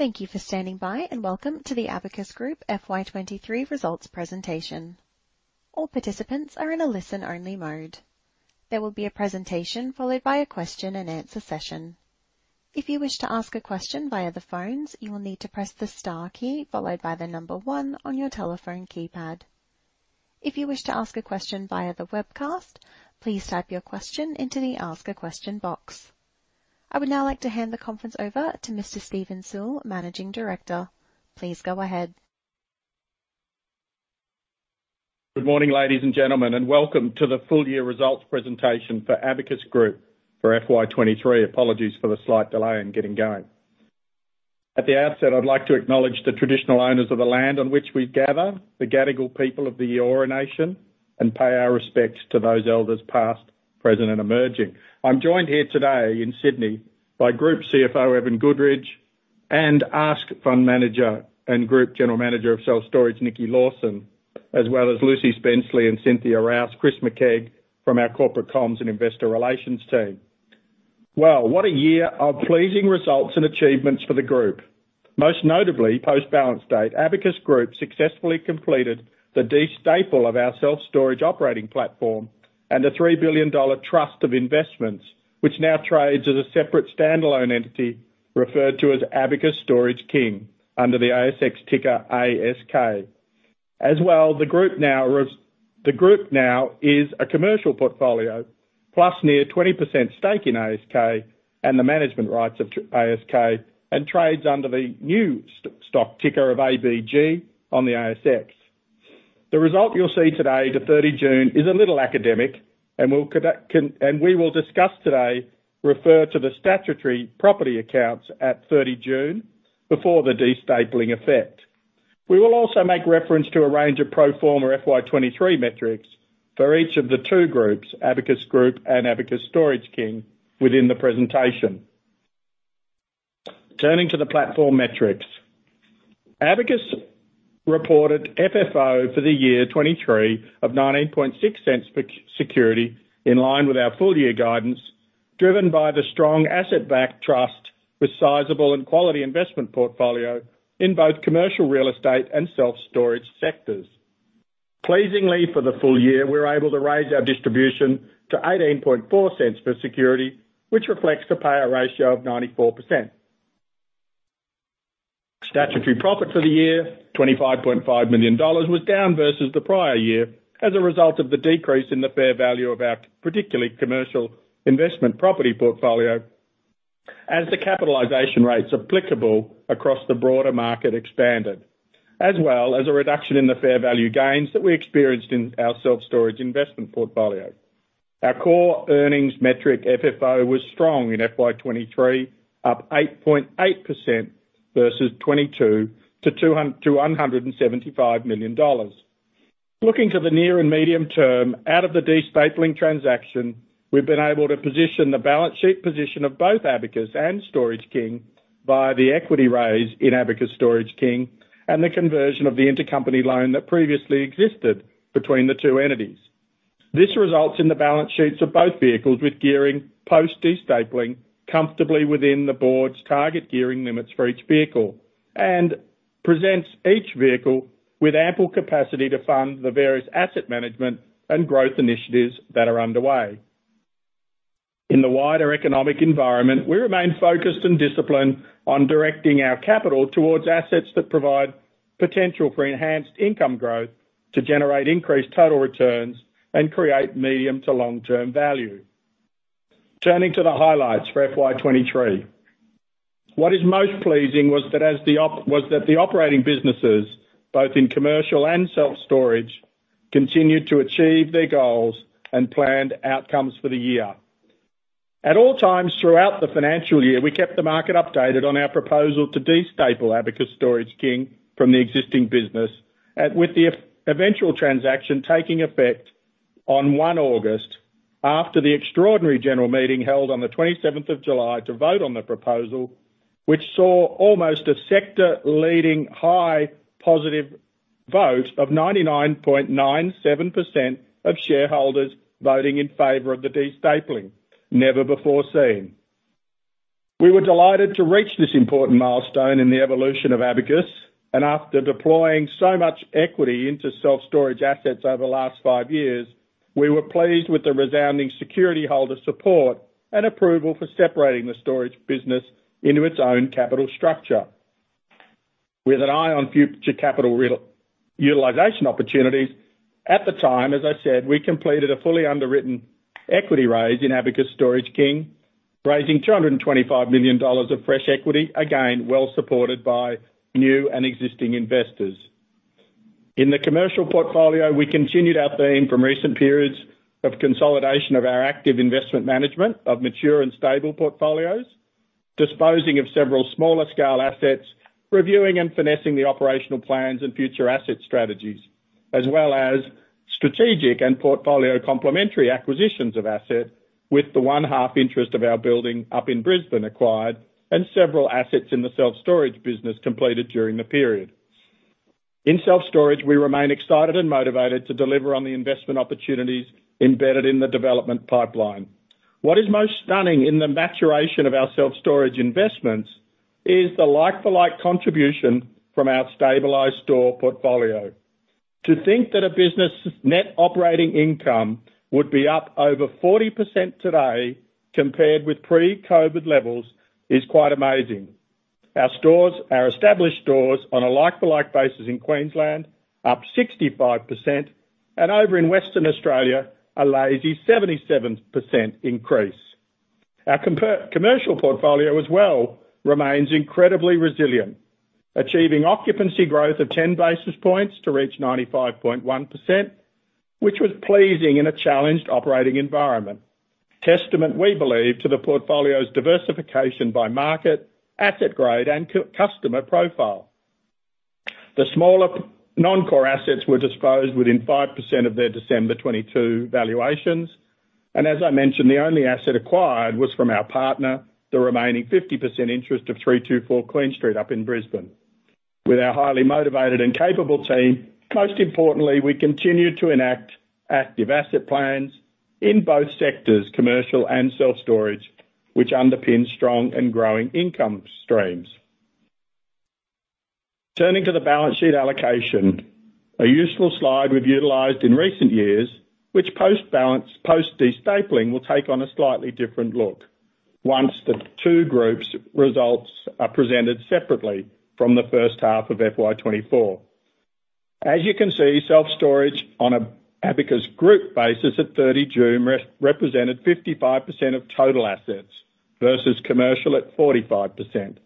Thank you for standing by, and welcome to the Abacus Group FY 2023 results presentation. All participants are in a listen-only mode. There will be a presentation followed by a question and answer session. If you wish to ask a question via the phones, you will need to press the star key followed by the one on your telephone keypad. If you wish to ask a question via the webcast, please type your question into the Ask a Question box. I would now like to hand the conference over to Mr. Steven Sewell, Managing Director. Please go ahead. Good morning, ladies and gentlemen, and welcome to the full year results presentation for Abacus Group for FY 2023. Apologies for the slight delay in getting going. At the outset, I'd like to acknowledge the traditional owners of the land on which we gather, the Gadigal people of the Eora nation, and pay our respects to those elders past, present, and emerging. I'm joined here today in Sydney by Group CFO, Evan Goodridge, and ASK Fund Manager and Group General Manager of Self Storage, Nikki Lawson, as well as Lucy Spenceley and Cynthia Rouse, Chris McKegg, from our Corporate Comms and Investor Relations team. Well, what a year of pleasing results and achievements for the group. Most notably, post-balance date, Abacus Group successfully completed the de-staple of our self-storage operating platform and a $3 billion trust of investments, which now trades as a separate standalone entity, referred to as Abacus Storage King, under the ASX ticker ASK. The group now is a commercial portfolio, plus near 20% stake in ASK and the management rights of ASK, and trades under the new stock ticker of ABG on the ASX. The result you'll see today, to 30 June, is a little academic, and we will discuss today, refer to the statutory property accounts at 30 June before the de-stapling effect. We will also make reference to a range of pro forma FY 2023 metrics for each of the two groups, Abacus Group and Abacus Storage King, within the presentation. Turning to the platform metrics. Abacus reported FFO for the year 2023 of 0.196 per security, in line with our full year guidance, driven by the strong asset-backed trust with sizable and quality investment portfolio in both commercial real estate and self-storage sectors. Pleasingly, for the full year, we were able to raise our distribution to 0.184 per security, which reflects the payout ratio of 94%. Statutory profit for the year, AUD 25.5 million, was down versus the prior year as a result of the decrease in the fair value of our particularly commercial investment property portfolio, as the capitalization rates applicable across the broader market expanded, as well as a reduction in the fair value gains that we experienced in our self-storage investment portfolio. Our core earnings metric, FFO, was strong in FY 2023, up 8.8% versus 2022 to $175 million. Looking to the near and medium term, out of the de-stapling transaction, we've been able to position the balance sheet position of both Abacus and Storage King by the equity raise in Abacus Storage King and the conversion of the intercompany loan that previously existed between the two entities. This results in the balance sheets of both vehicles with gearing post de-stapling, comfortably within the board's target gearing limits for each vehicle, and presents each vehicle with ample capacity to fund the various asset management and growth initiatives that are underway. In the wider economic environment, we remain focused and disciplined on directing our capital towards assets that provide potential for enhanced income growth to generate increased total returns and create medium to long-term value. Turning to the highlights for FY 2023. What is most pleasing was that the operating businesses, both in commercial and self-storage, continued to achieve their goals and planned outcomes for the year. At all times throughout the financial year, we kept the market updated on our proposal to de-staple Abacus Storage King from the existing business, with the eventual transaction taking effect on August 1 after the extraordinary general meeting held on July 27th to vote on the proposal, which saw almost a sector-leading, high positive vote of 99.97% of shareholders voting in favor of the de-stapling. Never before seen. We were delighted to reach this important milestone in the evolution of Abacus, and after deploying so much equity into self-storage assets over the last five years, we were pleased with the resounding security holder support and approval for separating the storage business into its own capital structure. With an eye on future capital re-utilization opportunities, at the time, as I said, we completed a fully underwritten equity raise in Abacus Storage King, raising $225 million of fresh equity, again, well supported by new and existing investors. In the commercial portfolio, we continued our theme from recent periods of consolidation of our active investment management of mature and stable portfolios, disposing of several smaller scale assets, reviewing and finessing the operational plans and future asset strategies, as well as strategic and portfolio complementary acquisitions of asset with the 0.5 interest of our building up in Brisbane acquired and several assets in the self-storage business completed during the period. In self-storage, we remain excited and motivated to deliver on the investment opportunities embedded in the development pipeline. What is most stunning in the maturation of our self-storage investments is the like-for-like contribution from our stabilized store portfolio. To think that a business' net operating income would be up over 40% today compared with pre-COVID levels is quite amazing. Our stores, our established stores on a like-for-like basis in Queensland, up 65%, and over in Western Australia, a lazy 77% increase. Our commercial portfolio as well remains incredibly resilient, achieving occupancy growth of 10 basis points to reach 95.1%, which was pleasing in a challenged operating environment. Testament, we believe, to the portfolio's diversification by market, asset grade, and customer profile. The smaller non-core assets were disposed within 5% of their December 2022 valuations, and as I mentioned, the only asset acquired was from our partner, the remaining 50% interest of 324 Queen Street up in Brisbane. With our highly motivated and capable team, most importantly, we continue to enact active asset plans in both sectors, commercial and self-storage, which underpin strong and growing income streams. Turning to the balance sheet allocation, a useful slide we've utilized in recent years, which post-de-stapling will take on a slightly different look once the two groups' results are presented separately from the first half of FY 2024. As you can see, self-storage on a Abacus Group basis at 30 June represented 55% of total assets, versus commercial at 45%.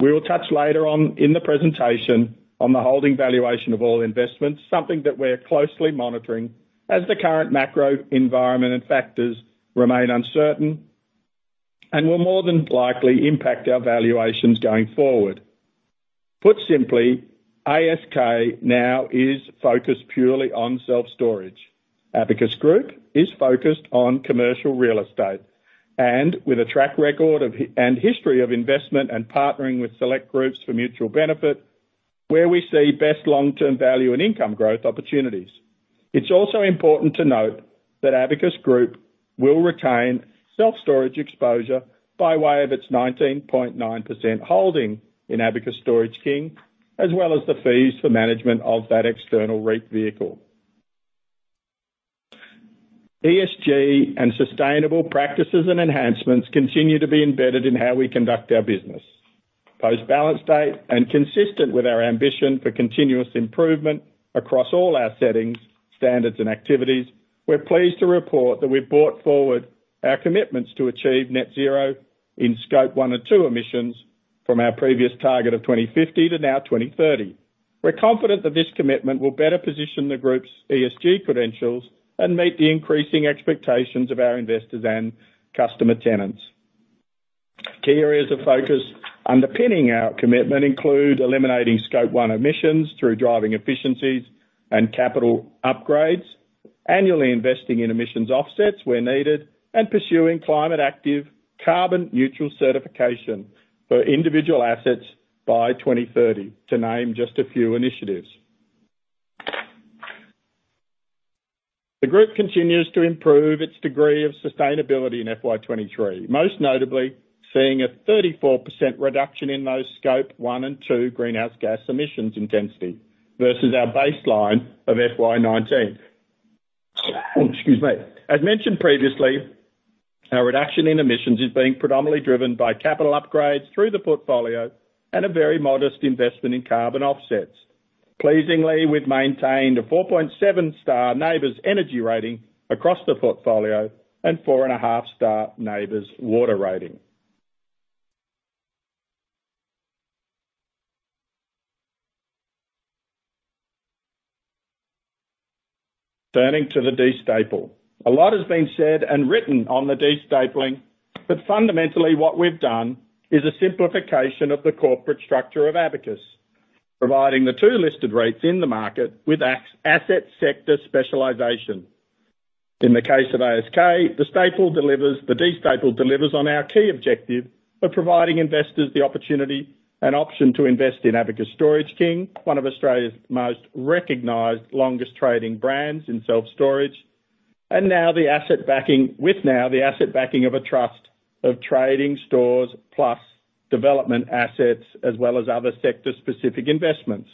We will touch later on in the presentation on the holding valuation of all investments, something that we are closely monitoring as the current macro environment and factors remain uncertain and will more than likely impact our valuations going forward. Put simply, ASK now is focused purely on self-storage. Abacus Group is focused on commercial real estate, with a track record of and history of investment and partnering with select groups for mutual benefit, where we see best long-term value and income growth opportunities. It's also important to note that Abacus Group will retain self-storage exposure by way of its 19.9% holding in Abacus Storage King, as well as the fees for management of that external REIT vehicle. ESG and sustainable practices and enhancements continue to be embedded in how we conduct our business. Post-balance date and consistent with our ambition for continuous improvement across all our settings, standards, and activities, we're pleased to report that we've brought forward our commitments to achieve net zero in Scope 1 and 2 emissions from our previous target of 2050 to now 2030. We're confident that this commitment will better position the Group's ESG credentials and meet the increasing expectations of our investors and customer tenants. Key areas of focus underpinning our commitment include eliminating Scope 1 emissions through driving efficiencies and capital upgrades, annually investing in emissions offsets where needed, and pursuing Climate Active carbon neutral certification for individual assets by 2030, to name just a few initiatives. The group continues to improve its degree of sustainability in FY 2023, most notably seeing a 34% reduction in those Scope 1 and 2 greenhouse gas emissions intensity versus our baseline of FY 2019. Excuse me. As mentioned previously, our reduction in emissions is being predominantly driven by capital upgrades through the portfolio and a very modest investment in carbon offsets. Pleasingly, we've maintained a 4.7 star NABERS energy rating across the portfolio and 4.5 star NABERS water rating. Turning to the de-staple. A lot has been said and written on the de-stapling, but fundamentally what we've done is a simplification of the corporate structure of Abacus, providing the two listed REITs in the market with asset sector specialization. In the case of ASK, the de-staple delivers on our key objective of providing investors the opportunity and option to invest in Abacus Storage King, one of Australia's most recognized, longest trading brands in self-storage, and now with now the asset backing of a trust of trading stores plus development assets, as well as other sector-specific investments.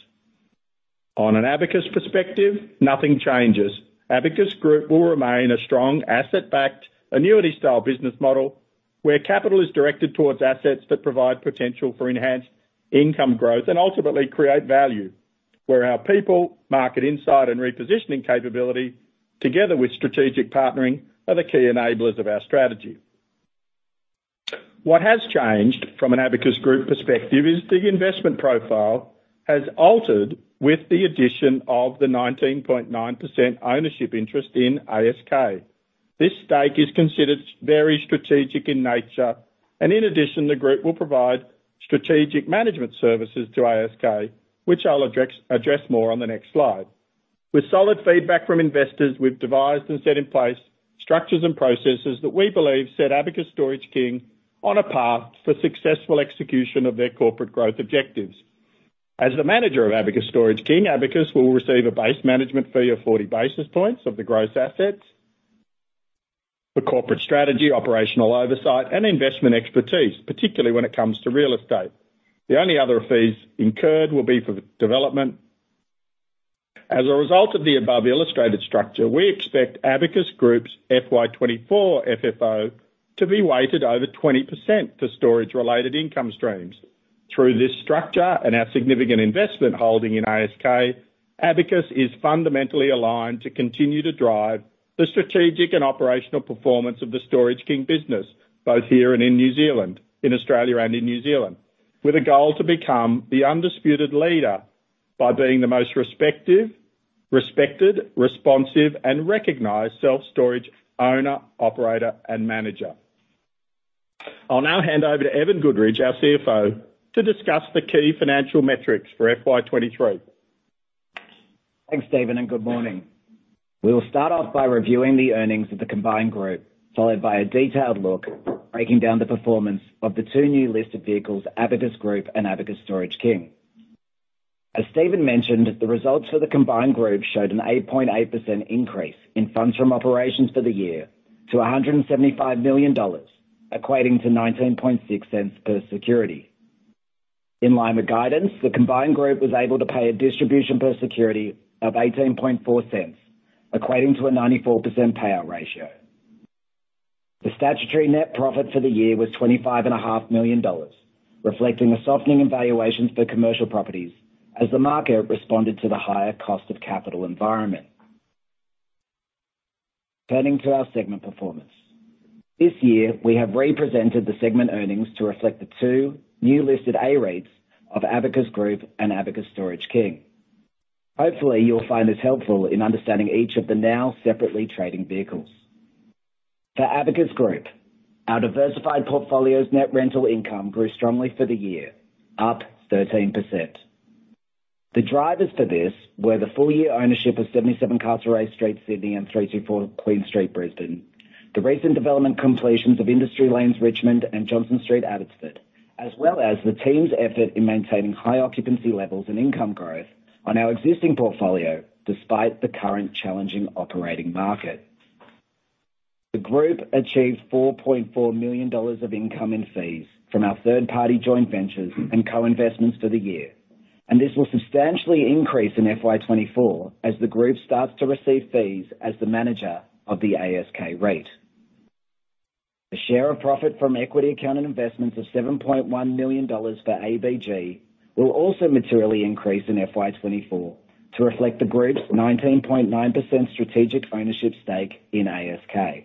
On an Abacus perspective, nothing changes. Abacus Group will remain a strong asset-backed, annuity-style business model, where capital is directed towards assets that provide potential for enhanced income growth and ultimately create value, where our people, market insight, and repositioning capability, together with strategic partnering, are the key enablers of our strategy. What has changed from an Abacus Group perspective is the investment profile has altered with the addition of the 19.9% ownership interest in ASK. This stake is considered very strategic in nature. In addition, the group will provide strategic management services to ASK, which I'll address more on the next slide. With solid feedback from investors, we've devised and set in place structures and processes that we believe set Abacus Storage King on a path for successful execution of their corporate growth objectives. As the manager of Abacus Storage King, Abacus will receive a base management fee of 40 basis points of the gross assets, for corporate strategy, operational oversight, and investment expertise, particularly when it comes to real estate. The only other fees incurred will be for the development. As a result of the above-illustrated structure, we expect Abacus Group's FY 2024 FFO to be weighted over 20% for storage-related income streams. Through this structure and our significant investment holding in ASK, Abacus is fundamentally aligned to continue to drive the strategic and operational performance of the Storage King business, both here and in New Zealand, in Australia and in New Zealand. With a goal to become the undisputed leader by being the most respective, respected, responsive, and recognized self-storage owner, operator, and manager. I'll now hand over to Evan Goodridge, our CFO, to discuss the key financial metrics for FY 2023. Thanks, Stephen. Good morning. We will start off by reviewing the earnings of the combined group, followed by a detailed look, breaking down the performance of the two new list of vehicles, Abacus Group and Abacus Storage King. As Stephen mentioned, the results for the combined group showed an 8.8% increase in funds from operations for the year to 175 million dollars, equating to 0.196 per security. In line with guidance, the combined group was able to pay a distribution per security of 0.184, equating to a 94% payout ratio. The statutory net profit for the year was 25.5 million dollars, reflecting a softening in valuations for commercial properties as the market responded to the higher cost of capital environment. Turning to our segment performance. This year, we have represented the segment earnings to reflect the two newly listed A-REITs of Abacus Group and Abacus Storage King. Hopefully, you'll find this helpful in understanding each of the now separately trading vehicles. For Abacus Group, our diversified portfolio's net rental income grew strongly for the year, up 13%. The drivers for this were the full-year ownership of 77 Castlereagh Street, Sydney, and 324 Queen Street, Brisbane. The recent development completions of Industry Lanes, Richmond, and Johnson Street, Abbotsford, as well as the team's effort in maintaining high occupancy levels and income growth on our existing portfolio, despite the current challenging operating market. The group achieved 4.4 million dollars of income and fees from our third-party joint ventures and co-investments for the year. This will substantially increase in FY 2024 as the group starts to receive fees as the manager of the ASK REIT. The share of profit from equity accounting investments of 7.1 million dollars for ABG will also materially increase in FY 2024 to reflect the group's 19.9% strategic ownership stake in ASK.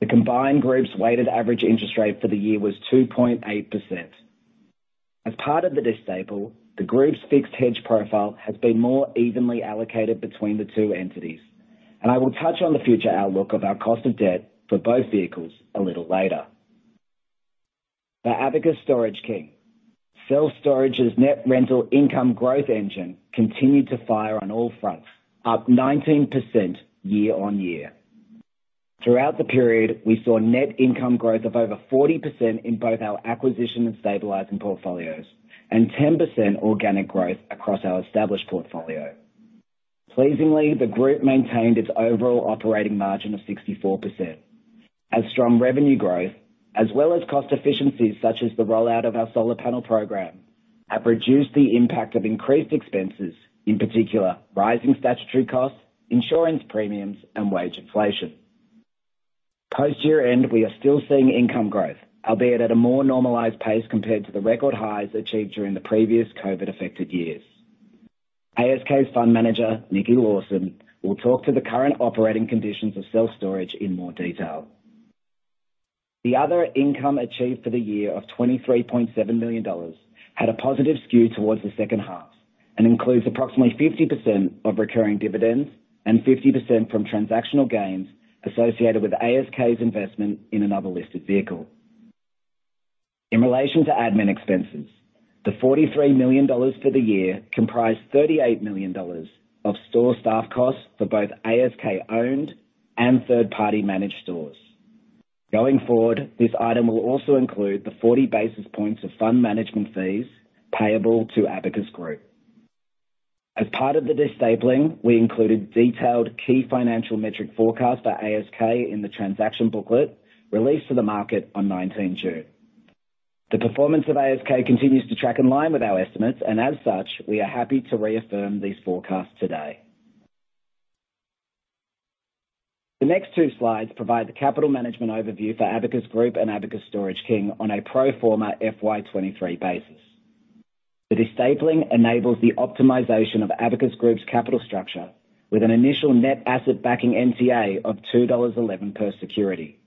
The combined group's weighted average interest rate for the year was 2.8%. As part of the de-stapling, the group's fixed hedge profile has been more evenly allocated between the two entities. I will touch on the future outlook of our cost of debt for both vehicles a little later. The Abacus Storage King. Self-storage's net rental income growth engine continued to fire on all fronts, up 19% year-on-year. Throughout the period, we saw net income growth of over 40% in both our acquisition and stabilizing portfolios, and 10% organic growth across our established portfolio. Pleasingly, the group maintained its overall operating margin of 64%. As strong revenue growth, as well as cost efficiencies, such as the rollout of our solar panel program, have reduced the impact of increased expenses, in particular, rising statutory costs, insurance premiums, and wage inflation. Post-year end, we are still seeing income growth, albeit at a more normalized pace compared to the record highs achieved during the previous COVID-affected years. ASK's Fund Manager, Nikki Lawson, will talk to the current operating conditions of self-storage in more detail. The other income achieved for the year of 23.7 million dollars had a positive skew towards the second half and includes approximately 50% of recurring dividends and 50% from transactional gains associated with ASK's investment in another listed vehicle. In relation to admin expenses, the 43 million dollars for the year comprised 38 million dollars of store staff costs for both ASK-owned and third-party managed stores. Going forward, this item will also include the 40 basis points of fund management fees payable to Abacus Group. As part of the de-stapling, we included detailed key financial metric forecast for ASK in the transaction booklet, released to the market on 19 June. The performance of ASK continues to track in line with our estimates, and as such, we are happy to reaffirm these forecasts today. The next two slides provide the capital management overview for Abacus Group and Abacus Storage King on a pro forma FY 2023 basis. The de-stapling enables the optimization of Abacus Group's capital structure with an initial NTA of 2.11 dollars per security.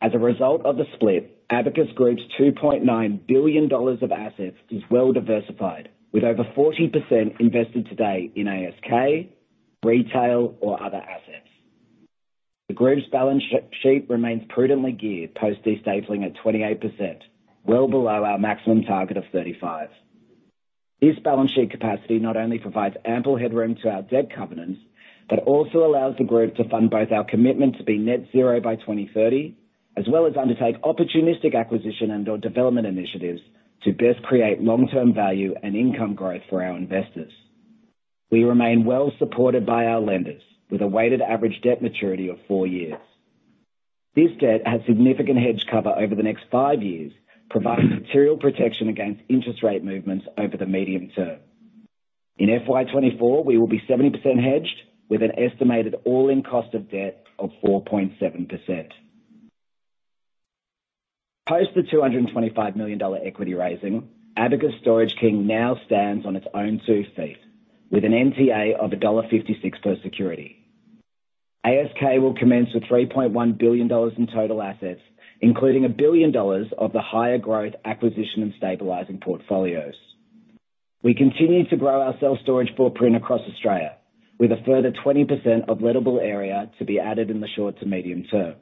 As a result of the split, Abacus Group's 2.9 billion dollars of assets is well diversified, with over 40% invested today in ASK, retail, or other assets. The group's balance sheet remains prudently geared post de-stapling at 28%, well below our maximum target of 35%. This balance sheet capacity not only provides ample headroom to our debt covenants, but also allows the group to fund both our commitment to be net zero by 2030, as well as undertake opportunistic acquisition and/or development initiatives to best create long-term value and income growth for our investors. We remain well supported by our lenders, with a weighted average debt maturity of four years. This debt has significant hedge cover over the next five years, providing material protection against interest rate movements over the medium term. In FY 2024, we will be 70% hedged, with an estimated all-in cost of debt of 4.7%. Post the 225 million dollar equity raising, Abacus Storage King now stands on its own two feet, with an NTA of dollar 1.56 per security. ASK will commence with 3.1 billion dollars in total assets, including 1 billion dollars of the higher growth acquisition and stabilizing portfolios. We continue to grow our self-storage footprint across Australia, with a further 20% of lettable area to be added in the short to medium term.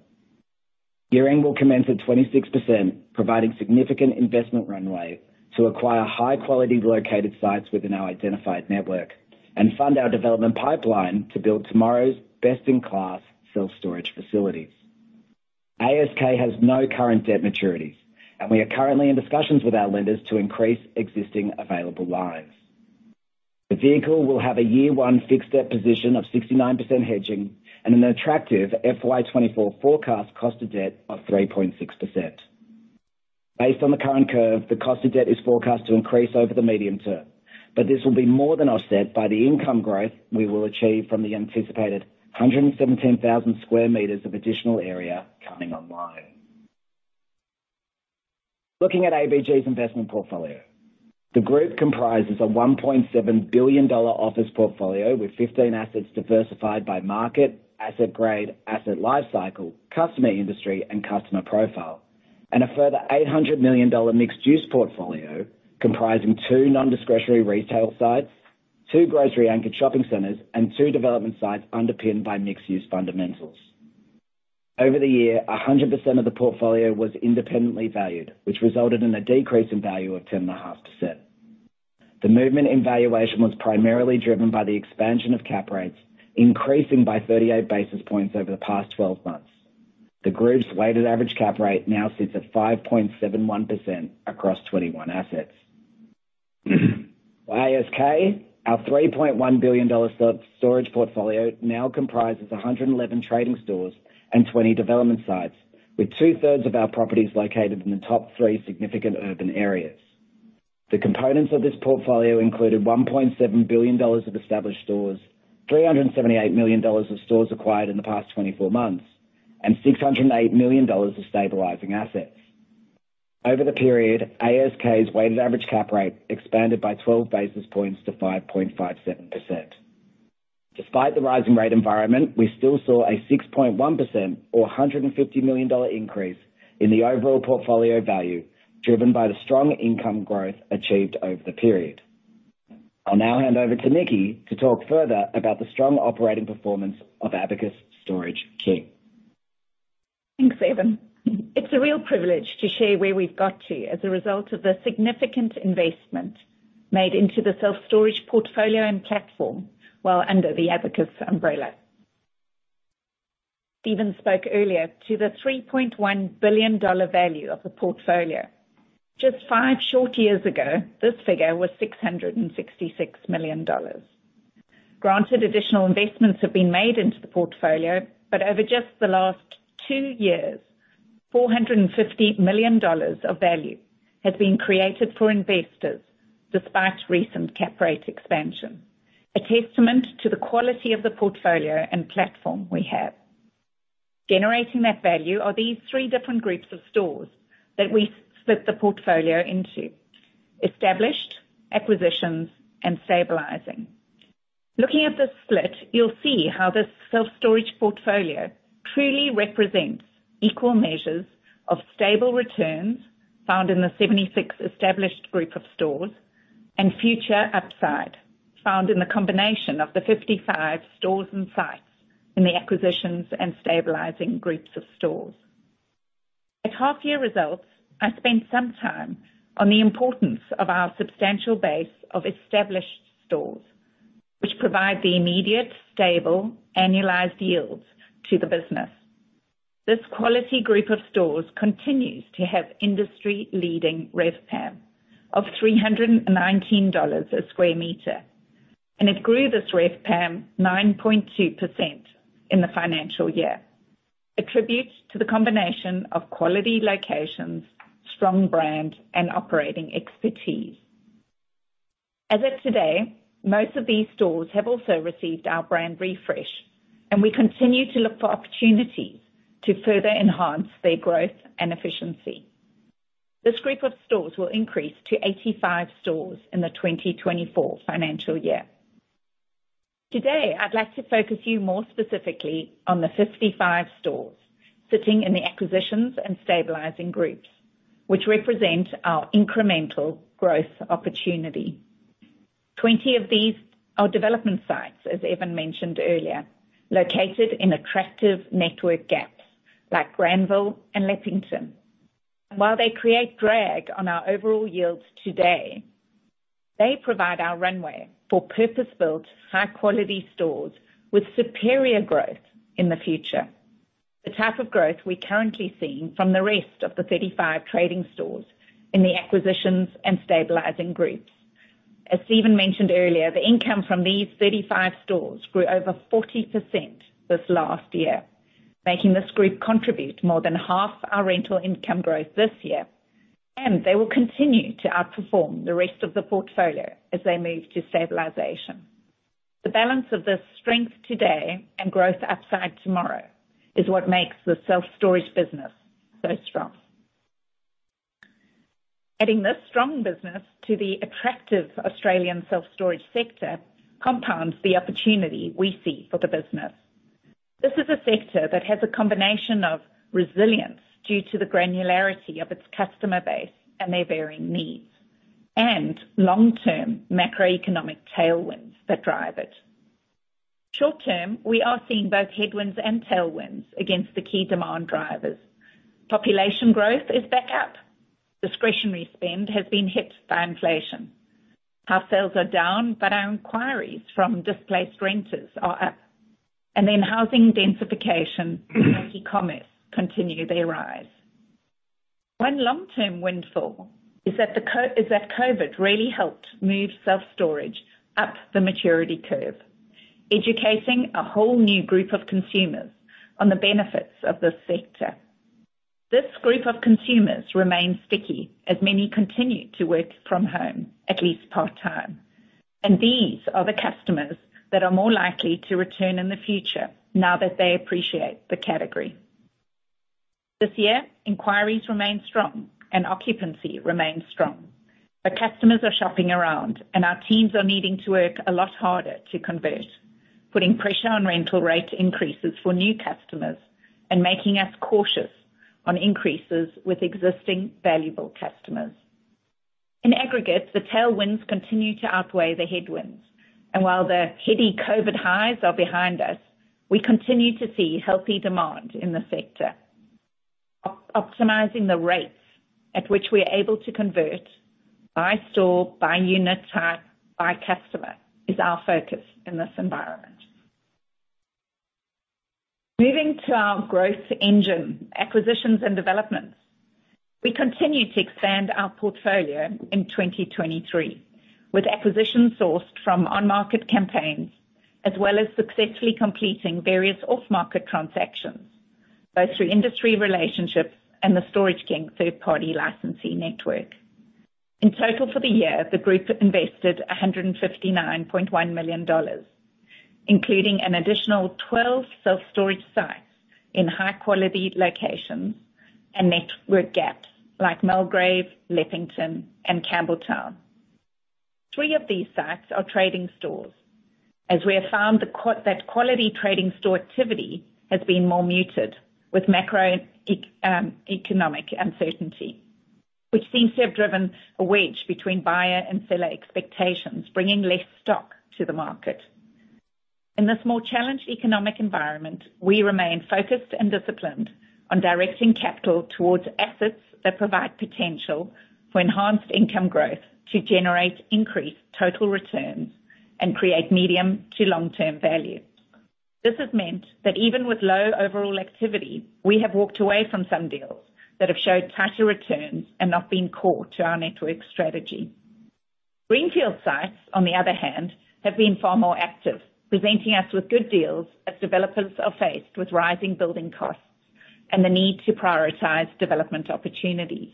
Year-end will commence at 26%, providing significant investment runway to acquire high quality located sites within our identified network, and fund our development pipeline to build tomorrow's best-in-class self-storage facilities. ASK has no current debt maturities, and we are currently in discussions with our lenders to increase existing available lines. The vehicle will have a year one fixed debt position of 69% hedging and an attractive FY 2024 forecast cost of debt of 3.6%. Based on the current curve, the cost of debt is forecast to increase over the medium term, but this will be more than offset by the income growth we will achieve from the anticipated 117,000 square meters of additional area coming online. Looking at ABG's investment portfolio, the group comprises a 1.7 billion dollar office portfolio with 15 assets diversified by market, asset grade, asset life cycle, customer industry, and customer profile, and a further 800 million dollar mixed use portfolio comprising two non-discretionary retail sites, two grocery-anchored shopping centers, and two development sites underpinned by mixed use fundamentals. Over the year, 100% of the portfolio was independently valued, which resulted in a decrease in value of 10.5%. The movement in valuation was primarily driven by the expansion of cap rates, increasing by 38 basis points over the past 12 months. The group's weighted average cap rate now sits at 5.71% across 21 assets. ASK, our 3.1 billion dollars self-storage portfolio now comprises 111 trading stores and 20 development sites, with two-thirds of our properties located in the top three significant urban areas. The components of this portfolio included 1.7 billion dollars of established stores, 378 million dollars of stores acquired in the past 24 months, and 608 million dollars of stabilizing assets. Over the period, ASK's weighted average cap rate expanded by 12 basis points to 5.57%. Despite the rising rate environment, we still saw a 6.1% or 150 million dollar increase in the overall portfolio value, driven by the strong income growth achieved over the period. I'll now hand over to Nikki to talk further about the strong operating performance of Abacus Storage King. Thanks, Evan. It's a real privilege to share where we've got to as a result of the significant investment made into the self-storage portfolio and platform while under the Abacus umbrella. Steven spoke earlier to the 3.1 billion dollar value of the portfolio. Just five short years ago, this figure was 666 million dollars. Granted, additional investments have been made into the portfolio, but over just the last two years, 450 million dollars of value has been created for investors, despite recent cap rate expansion, a testament to the quality of the portfolio and platform we have. Generating that value are these three different groups of stores that we split the portfolio into: established, acquisitions, and stabilizing. Looking at this split, you'll see how this self-storage portfolio truly represents equal measures of stable returns found in the 76 established group of stores, and future upside found in the combination of the 55 stores and sites in the acquisitions and stabilizing groups of stores. At half year results, I spent some time on the importance of our substantial base of established stores, which provide the immediate, stable, annualized yields to the business. This quality group of stores continues to have industry-leading RevPAM of 319 dollars a square meter, and it grew this RevPAM 9.2% in the financial year. Attributes to the combination of quality locations, strong brand, and operating expertise. As of today, most of these stores have also received our brand refresh, and we continue to look for opportunities to further enhance their growth and efficiency. This group of stores will increase to 85 stores in the 2024 financial year. Today, I'd like to focus you more specifically on the 55 stores sitting in the acquisitions and stabilizing groups, which represent our incremental growth opportunity. 20 of these are development sites, as Evan mentioned earlier, located in attractive network gaps like Granville and Leppington. While they create drag on our overall yields today, they provide our runway for purpose-built, high-quality stores with superior growth in the future. The type of growth we're currently seeing from the rest of the 35 trading stores in the acquisitions and stabilizing groups. As Steven mentioned earlier, the income from these 35 stores grew over 40% this last year, making this group contribute more than half our rental income growth this year, and they will continue to outperform the rest of the portfolio as they move to stabilization. The balance of this strength today and growth upside tomorrow, is what makes the self-storage business so strong. Adding this strong business to the attractive Australian self-storage sector, compounds the opportunity we see for the business. This is a sector that has a combination of resilience due to the granularity of its customer base and their varying needs, and long-term macroeconomic tailwinds that drive it. Short term, we are seeing both headwinds and tailwinds against the key demand drivers. Population growth is back up. Discretionary spend has been hit by inflation. House sales are down. Our inquiries from displaced renters are up. Housing densification, e-commerce continue their rise. One long-term windfall is that COVID really helped move self-storage up the maturity curve, educating a whole new group of consumers on the benefits of this sector. This group of consumers remains sticky, as many continue to work from home, at least part-time. These are the customers that are more likely to return in the future now that they appreciate the category. This year, inquiries remain strong and occupancy remains strong, but customers are shopping around and our teams are needing to work a lot harder to convert, putting pressure on rental rate increases for new customers and making us cautious on increases with existing valuable customers. In aggregate, the tailwinds continue to outweigh the headwinds, and while the heady COVID highs are behind us, we continue to see healthy demand in the sector. Optimizing the rates at which we are able to convert by store, by unit type, by customer, is our focus in this environment. Moving to our growth engine, acquisitions and developments. We continue to expand our portfolio in 2023, with acquisitions sourced from on-market campaigns, as well as successfully completing various off-market transactions, both through industry relationships and the Storage King third-party licensee network. In total, for the year, the group invested 159.1 million dollars, including an additional 12 self-storage sites in high-quality locations and network gaps like Mulgrave, Leppington and Campbelltown. Three of these sites are trading stores, as we have found that quality trading store activity has been more muted, with macro economic uncertainty, which seems to have driven a wedge between buyer and seller expectations, bringing less stock to the market. In this more challenged economic environment, we remain focused and disciplined on directing capital towards assets that provide potential for enhanced income growth to generate increased total returns and create medium to long-term value. This has meant that even with low overall activity, we have walked away from some deals that have showed tighter returns and not been core to our network strategy. Greenfield sites, on the other hand, have been far more active, presenting us with good deals as developers are faced with rising building costs and the need to prioritize development opportunities.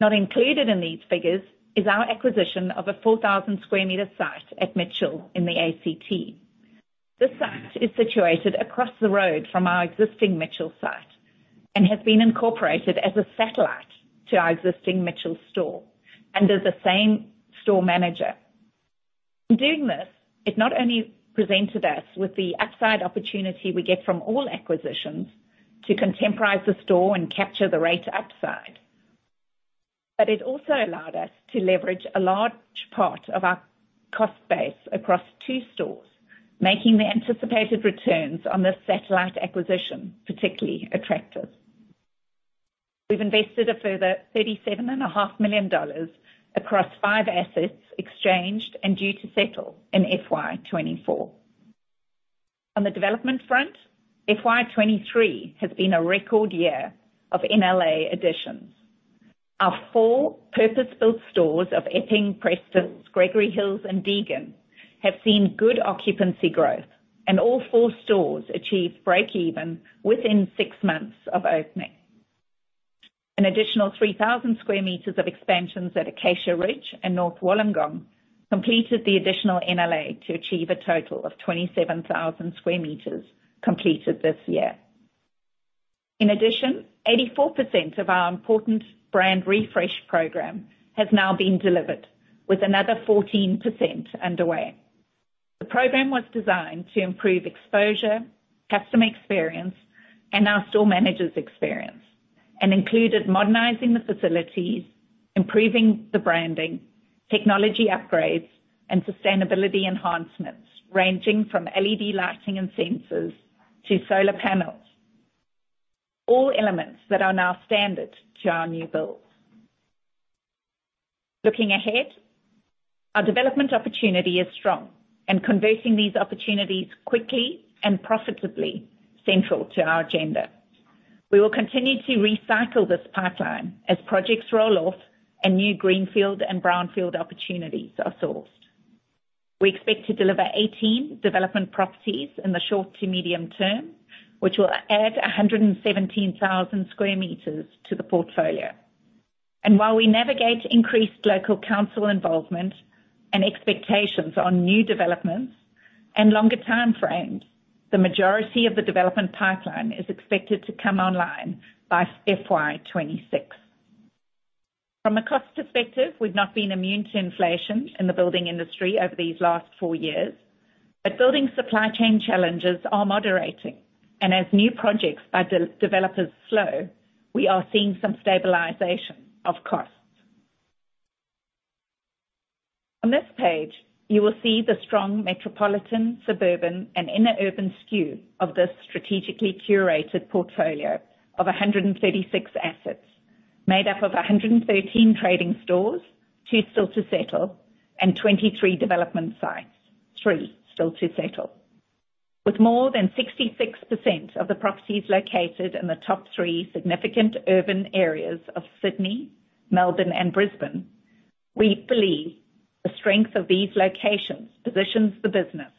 Not included in these figures is our acquisition of a 4,000 square meter site at Mitchell in the ACT. This site is situated across the road from our existing Mitchell site and has been incorporated as a satellite to our existing Mitchell store under the same store manager. In doing this, it not only presented us with the upside opportunity we get from all acquisitions to contemporize the store and capture the rate upside, but it also allowed us to leverage a large part of our cost base across two stores, making the anticipated returns on this satellite acquisition particularly attractive. We've invested a further 37.5 million dollars across five assets exchanged and due to settle in FY 2024. On the development front, FY 2023 has been a record year of NLA additions. Our four purpose-built stores of Epping, Prestons, Gregory Hills, and Deagon have seen good occupancy growth, and all four stores achieved break even within six months of opening. An additional 3,000 sq m of expansions at Acacia Ridge and North Wollongong completed the additional NLA to achieve a total of 27,000 sq m completed this year. In addition, 84% of our important Brand Refresh Program has now been delivered with another 14% underway. The program was designed to improve exposure, customer experience, and our store managers' experience, and included modernizing the facilities, improving the branding, technology upgrades, and sustainability enhancements, ranging from LED lighting and sensors to solar panels, all elements that are now standard to our new builds. Looking ahead, our development opportunity is strong, and converting these opportunities quickly and profitably, central to our agenda. We will continue to recycle this pipeline as projects roll off and new greenfield and brownfield opportunities are sourced. We expect to deliver 18 development properties in the short to medium term, which will add 117,000 square meters to the portfolio. While we navigate increased local council involvement and expectations on new developments and longer time frames, the majority of the development pipeline is expected to come online by FY 2026. From a cost perspective, we've not been immune to inflation in the building industry over these last four years, but building supply chain challenges are moderating, and as new projects by developers slow, we are seeing some stabilization of costs. On this page, you will see the strong metropolitan, suburban, and inner urban skew of this strategically curated portfolio of 136 assets, made up of 113 trading stores, two still to settle, and 23 development sites, three still to settle. With more than 66% of the properties located in the top three significant urban areas of Sydney, Melbourne, and Brisbane, we believe the strength of these locations positions the business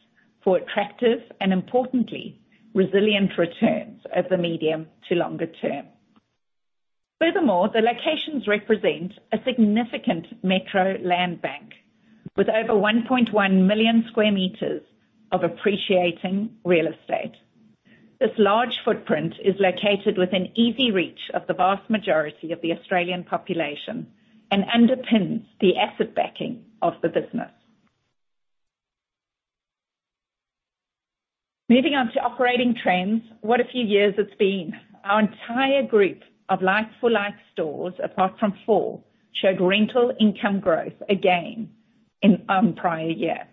for attractive and importantly, resilient returns over the medium to longer term. Furthermore, the locations represent a significant metro land bank with over 1.1 million square meters of appreciating real estate. This large footprint is located within easy reach of the vast majority of the Australian population and underpins the asset backing of the business. Moving on to operating trends, what a few years it's been. Our entire group of like-for-like stores, apart from four, showed rental income growth again in prior year.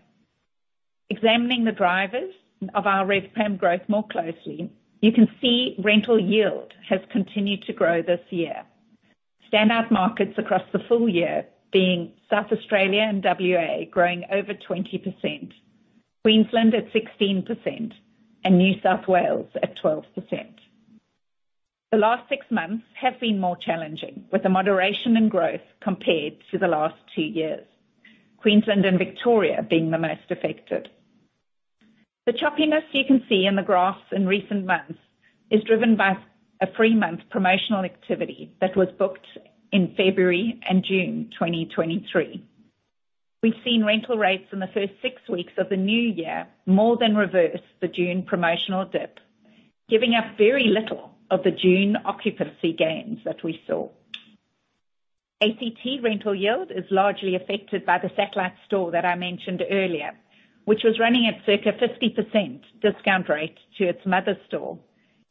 Examining the drivers of our RevPAM growth more closely, you can see rental yield has continued to grow this year. Standout markets across the full year being South Australia and WA, growing over 20%, Queensland at 16%, and New South Wales at 12%. The last six months have been more challenging, with a moderation in growth compared to the last two years, Queensland and Victoria being the most affected. The choppiness you can see in the graphs in recent months is driven by a three-month promotional activity that was booked in February and June 2023. We've seen rental rates in the first six weeks of the new year more than reverse the June promotional dip, giving up very little of the June occupancy gains that we saw. ACT rental yield is largely affected by the satellite store that I mentioned earlier, which was running at circa 50% discount rate to its mother store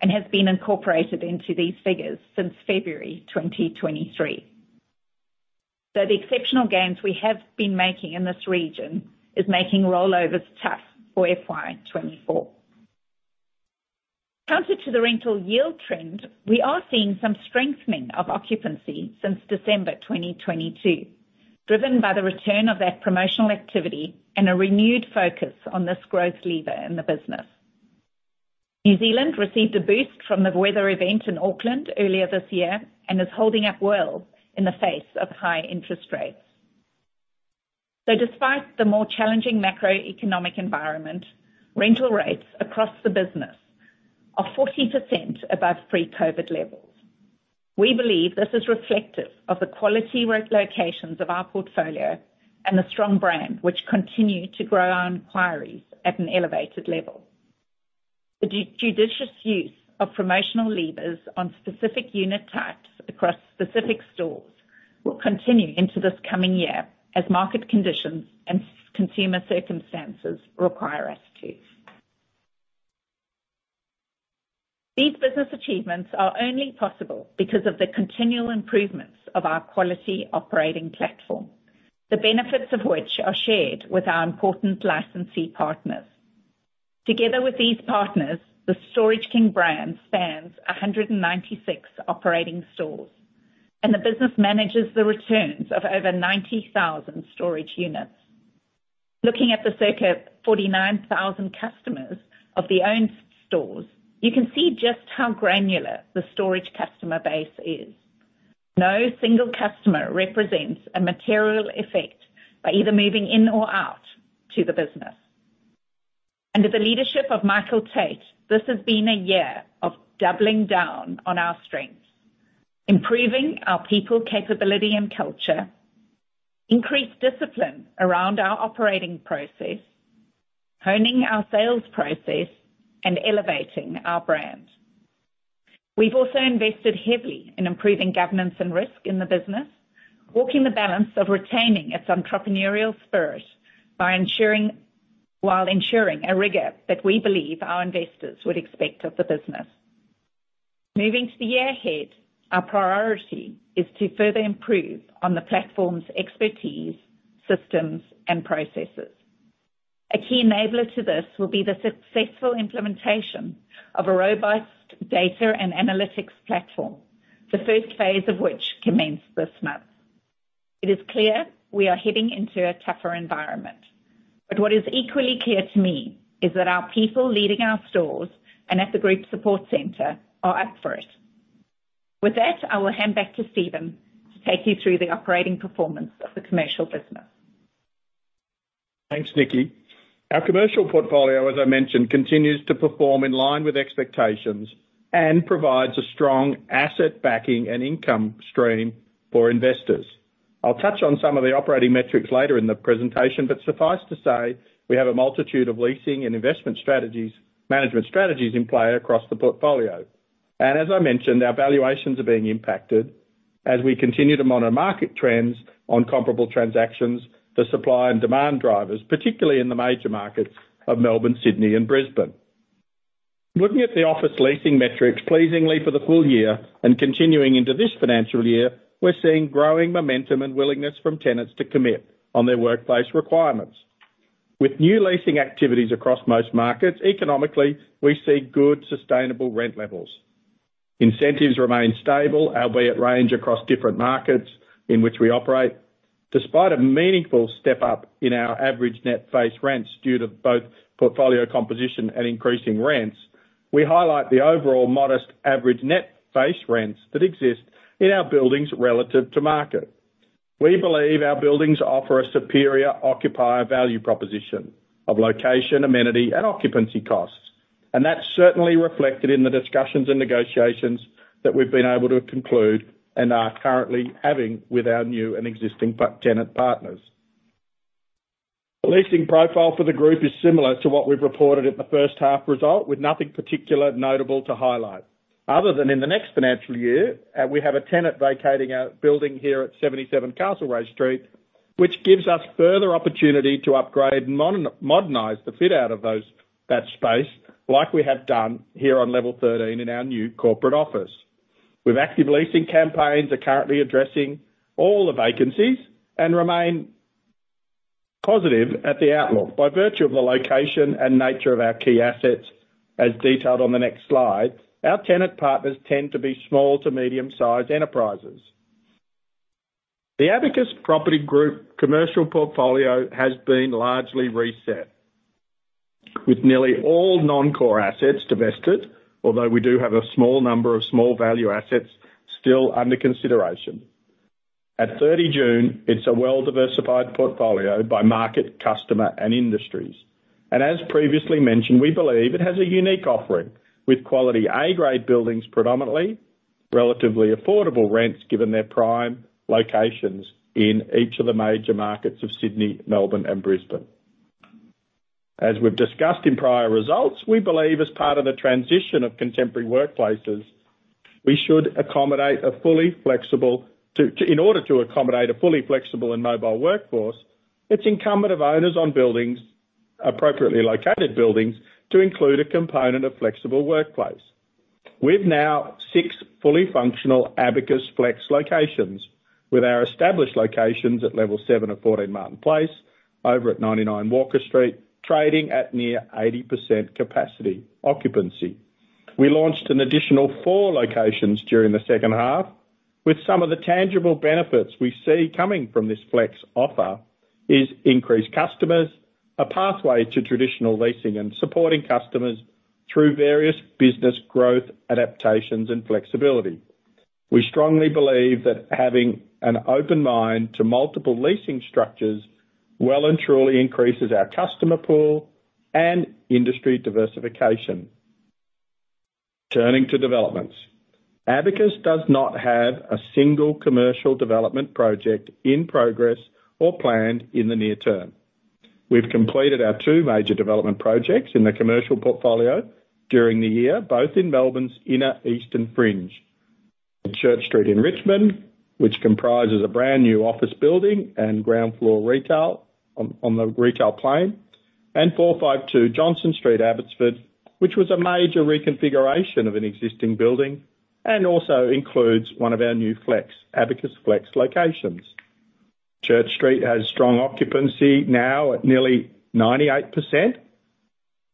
and has been incorporated into these figures since February 2023. The exceptional gains we have been making in this region is making rollovers tough for FY 2024. Counter to the rental yield trend, we are seeing some strengthening of occupancy since December 2022, driven by the return of that promotional activity and a renewed focus on this growth lever in the business. New Zealand received a boost from the weather event in Auckland earlier this year and is holding up well in the face of high interest rates. Despite the more challenging macroeconomic environment, rental rates across the business are 40% above pre-COVID levels. We believe this is reflective of the quality relocations of our portfolio and the strong brand, which continue to grow our inquiries at an elevated level. The judicious use of promotional levers on specific unit types across specific stores will continue into this coming year as market conditions and consumer circumstances require us to. These business achievements are only possible because of the continual improvements of our quality operating platform, the benefits of which are shared with our important licensee partners. Together with these partners, the Storage King brand spans 196 operating stores, and the business manages the returns of over 90,000 storage units. Looking at the circa 49,000 customers of the owned stores, you can see just how granular the storage customer base is. No single customer represents a material effect by either moving in or out to the business. Under the leadership of Michael Tate, this has been a year of doubling down on our strengths, improving our people capability and culture, increased discipline around our operating process, honing our sales process, and elevating our brand. We've also invested heavily in improving governance and risk in the business, walking the balance of retaining its entrepreneurial spirit while ensuring a rigor that we believe our investors would expect of the business. Moving to the year ahead, our priority is to further improve on the platform's expertise, systems, and processes. A key enabler to this will be the successful implementation of a robust data and analytics platform, the first phase of which commenced this month. It is clear we are heading into a tougher environment, but what is equally clear to me is that our people leading our stores and at the group support center are up for it. With that, I will hand back to Steven to take you through the operating performance of the commercial business. Thanks, Nikki. Our commercial portfolio, as I mentioned, continues to perform in line with expectations and provides a strong asset backing and income stream for investors. I'll touch on some of the operating metrics later in the presentation, but suffice to say, we have a multitude of leasing and investment strategies, management strategies in play across the portfolio. As I mentioned, our valuations are being impacted as we continue to monitor market trends on comparable transactions for supply and demand drivers, particularly in the major markets of Melbourne, Sydney, and Brisbane. Looking at the office leasing metrics, pleasingly for the full year and continuing into this financial year, we're seeing growing momentum and willingness from tenants to commit on their workplace requirements. With new leasing activities across most markets, economically, we see good, sustainable rent levels. Incentives remain stable, albeit range across different markets in which we operate. Despite a meaningful step up in our average net face rents due to both portfolio composition and increasing rents, we highlight the overall modest average net face rents that exist in our buildings relative to market. We believe our buildings offer a superior occupier value proposition of location, amenity, and occupancy costs, and that's certainly reflected in the discussions and negotiations that we've been able to conclude and are currently having with our new and existing tenant partners. The leasing profile for the group is similar to what we've reported at the first half result, with nothing particular notable to highlight, other than in the next financial year, we have a tenant vacating a building here at 77 Castlereagh Street, which gives us further opportunity to upgrade and modernize the fit out of those, that space, like we have done here on level 13 in our new corporate office. With active leasing campaigns are currently addressing all the vacancies and remain positive at the outlook. By virtue of the location and nature of our key assets, as detailed on the next slide, our tenant partners tend to be small to medium-sized enterprises. The Abacus Property Group commercial portfolio has been largely reset, with nearly all non-core assets divested, although we do have a small number of small value assets still under consideration. At 30 June, it's a well-diversified portfolio by market, customer, and industries. As previously mentioned, we believe it has a unique offering, with quality A-grade buildings predominantly, relatively affordable rents, given their prime locations in each of the major markets of Sydney, Melbourne, and Brisbane. As we've discussed in prior results, we believe as part of the transition of contemporary workplaces, we should accommodate a fully flexible in order to accommodate a fully flexible and mobile workforce, it's incumbent of owners on buildings, appropriately located buildings, to include a component of flexible workplace. We've now six fully functional abacusFlex locations, with our established locations at Level 7 of 14 Martin Place over at 99 Walker Street, trading at near 80% capacity occupancy. We launched an additional four locations during the second half, with some of the tangible benefits we see coming from this flex offer is increased customers, a pathway to traditional leasing, and supporting customers through various business growth adaptations and flexibility. We strongly believe that having an open mind to multiple leasing structures well and truly increases our customer pool and industry diversification. Turning to developments. Abacus does not have a single commercial development project in progress or planned in the near term. We've completed our two major development projects in the commercial portfolio during the year, both in Melbourne's Inner Eastern Fringe. Church Street in Richmond, which comprises a brand new office building and ground floor retail on the retail plane, and 452 Johnson Street, Abbotsford, which was a major reconfiguration of an existing building and also includes one of our new flex, abacusFlex locations. Church Street has strong occupancy, now at nearly 98%,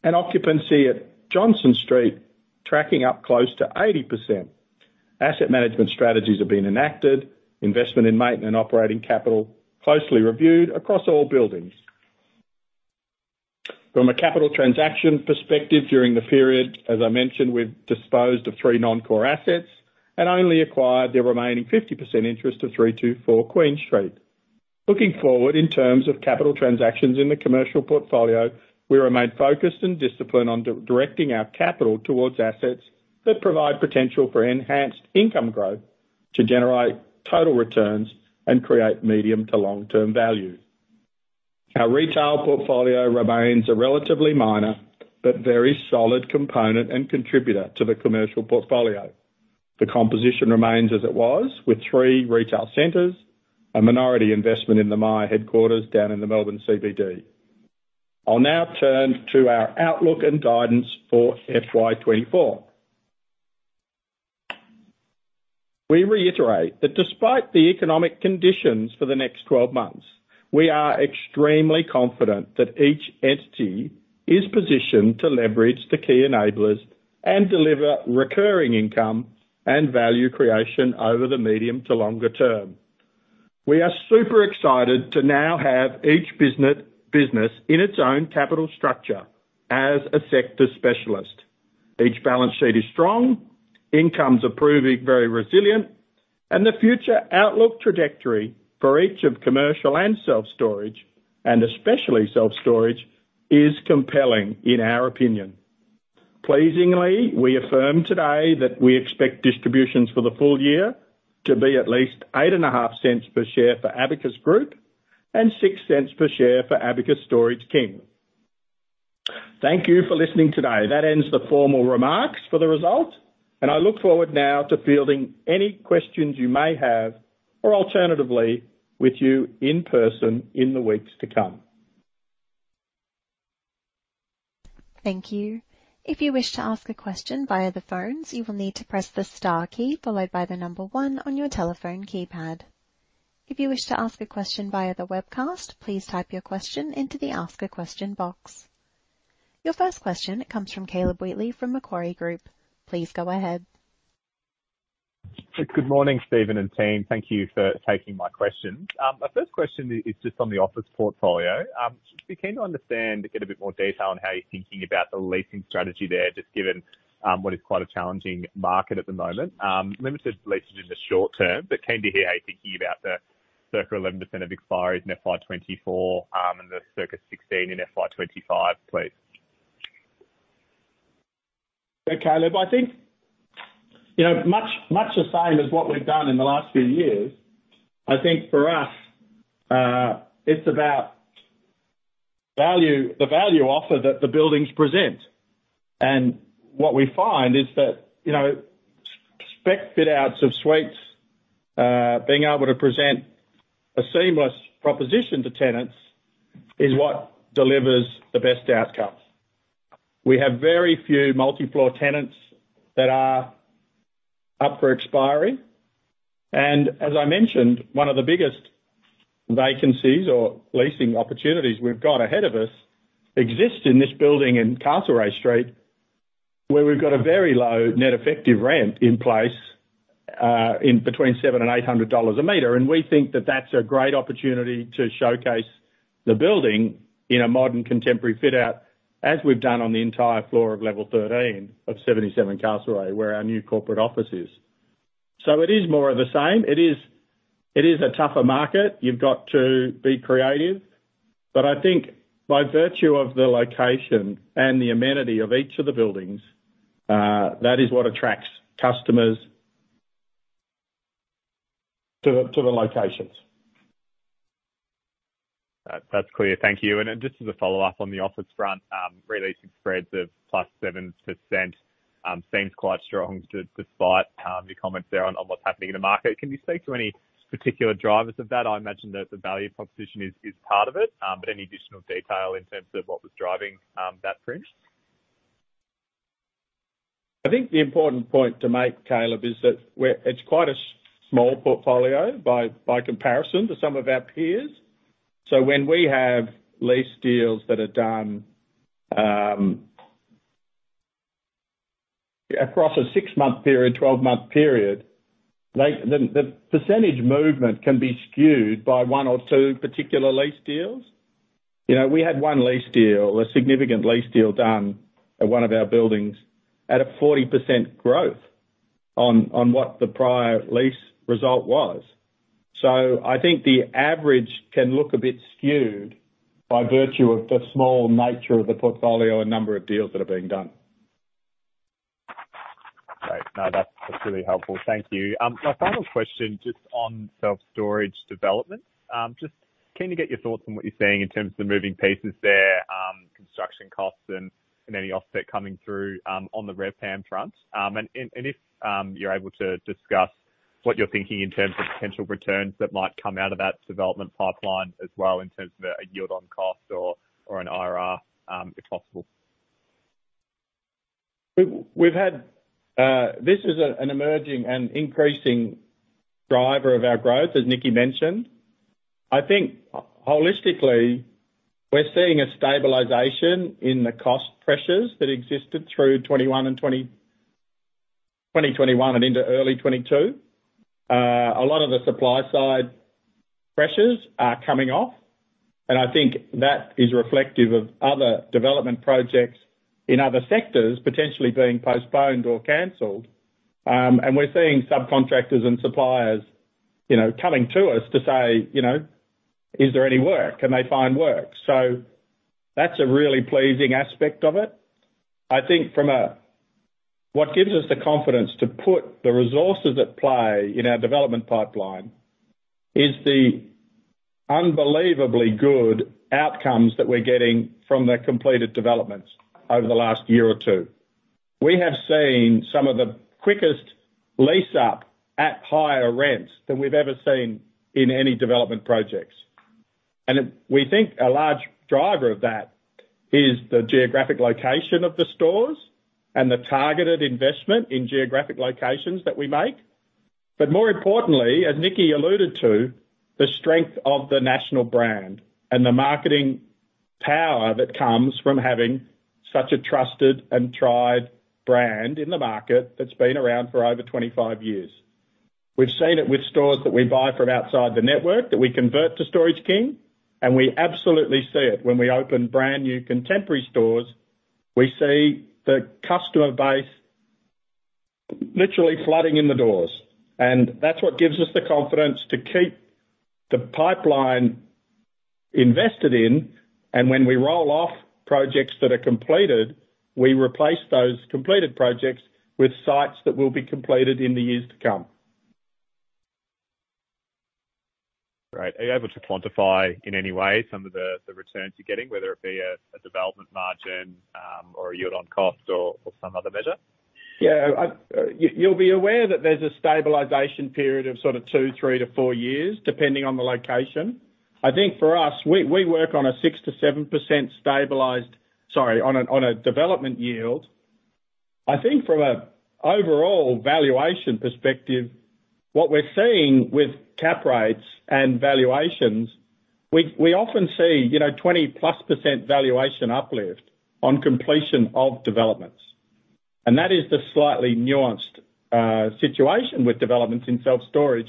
and occupancy at Johnson Street, tracking up close to 80%. Asset management strategies have been enacted, investment in maintenance and operating capital closely reviewed across all buildings. From a capital transaction perspective, during the period, as I mentioned, we've disposed of three non-core assets and only acquired the remaining 50% interest of 324 Queen Street. Looking forward in terms of capital transactions in the commercial portfolio, we remain focused and disciplined on directing our capital towards assets that provide potential for enhanced income growth, to generate total returns, and create medium to long-term value. Our retail portfolio remains a relatively minor but very solid component and contributor to the commercial portfolio. The composition remains as it was, with three retail centers, a minority investment in the Myer headquarters down in the Melbourne CBD. I'll now turn to our outlook and guidance for FY 2024. We reiterate that despite the economic conditions for the next 12 months, we are extremely confident that each entity is positioned to leverage the key enablers and deliver recurring income and value creation over the medium to longer term. We are super excited to now have each business in its own capital structure as a sector specialist. Each balance sheet is strong, incomes are proving very resilient, and the future outlook trajectory for each of commercial and self-storage, and especially self-storage, is compelling in our opinion. Pleasingly, we affirm today that we expect distributions for the full year to be at least 0.085 per share for Abacus Group and 0.06 per share for Abacus Storage King. Thank you for listening today. That ends the formal remarks for the result, and I look forward now to fielding any questions you may have or alternatively, with you in person in the weeks to come. Thank you. If you wish to ask a question via the phones, you will need to press the star key, followed by one on your telephone keypad. If you wish to ask a question via the webcast, please type your question into the Ask a Question box. Your first question comes from Caleb Wheatley from Macquarie Group. Please go ahead. Good morning, Steven and team. Thank you for taking my questions. My first question is just on the office portfolio. Just be keen to understand and get a bit more detail on how you're thinking about the leasing strategy there, just given what is quite a challenging market at the moment, limited leases in the short term, but came to hear how you thinking about the circa 11% of expires in FY 2024, and the circa 16 in FY 2025, please. Okay, Caleb, I think, you know, much, much the same as what we've done in the last few years. I think for us, it's about value, the value offer that the buildings present. What we find is that, you know, spec fit outs of suites, being able to present a seamless proposition to tenants is what delivers the best outcomes. We have very few multi-floor tenants that are up for expiry, and as I mentioned, one of the biggest vacancies or leasing opportunities we've got ahead of us exists in this building in Castlereagh Street, where we've got a very low net effective rent in place, in between 700-800 dollars a meter. We think that that's a great opportunity to showcase the building in a modern, contemporary fit out, as we've done on the entire floor of level 13 of 77 Castlereagh, where our new corporate office is. It is more of the same. It is, it is a tougher market. You've got to be creative, I think by virtue of the location and the amenity of each of the buildings, that is what attracts customers to the, to the locations. That's clear. Thank you. Then just as a follow-up on the office front, re-leasing spreads of +7%, seems quite strong despite your comments there on what's happening in the market. Can you speak to any particular drivers of that? I imagine that the value proposition is part of it, but any additional detail in terms of what was driving that trend? I think the important point to make, Caleb, is that we're quite a small portfolio by, by comparison to some of our peers. When we have lease deals that are done, across a six-month period, 12-month period, like, the, the percentage movement can be skewed by one or two particular lease deals. You know, we had one lease deal, a significant lease deal done at one of our buildings at a 40% growth on, on what the prior lease result was. I think the average can look a bit skewed by virtue of the small nature of the portfolio and number of deals that are being done. Great. No, that's, that's really helpful. Thank you. My final question, just on self-storage development. Just keen to get your thoughts on what you're seeing in terms of the moving pieces there, construction costs and, and any offset coming through on the RevPAM front. And, and if you're able to discuss what you're thinking in terms of potential returns that might come out of that development pipeline as well, in terms of a yield on cost or, or an IRR, if possible. We've, we've had, this is an emerging and increasing driver of our growth, as Nikki mentioned. I think holistically, we're seeing a stabilization in the cost pressures that existed through 2021 and 2021 and into early 2022. A lot of the supply side pressures are coming off, and I think that is reflective of other development projects in other sectors potentially being postponed or canceled. And we're seeing subcontractors and suppliers, you know, coming to us to say, you know, "Is there any work? Can they find work?" That's a really pleasing aspect of it. I think from What gives us the confidence to put the resources at play in our development pipeline, is the unbelievably good outcomes that we're getting from the completed developments over the last year or two. We have seen some of the quickest lease-up at higher rents than we've ever seen in any development projects. We think a large driver of that is the geographic location of the stores and the targeted investment in geographic locations that we make. More importantly, as Nikki alluded to, the strength of the national brand and the marketing power that comes from having such a trusted and tried brand in the market that's been around for over 25 years. We've seen it with stores that we buy from outside the network, that we convert to Storage King, and we absolutely see it when we open brand new contemporary stores. We see the customer base literally flooding in the doors, and that's what gives us the confidence to keep the pipeline invested in. When we roll off projects that are completed, we replace those completed projects with sites that will be completed in the years to come. Are you able to quantify in any way some of the, the returns you're getting, whether it be a, a development margin, or a yield on cost or, or some other measure? Yeah. You, you'll be aware that there's a stabilization period of sort of two years, three to four years, depending on the location. I think for us, we, we work on a 6%-7% stabilized. Sorry, on a, on a development yield. I think from an overall valuation perspective, what we're seeing with cap rates and valuations, we, we often see, you know, 20%+ valuation uplift on completion of developments. That is the slightly nuanced situation with developments in self-storage.